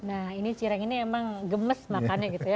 nah ini cireng ini emang gemes makannya gitu ya